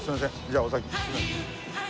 じゃあお先に。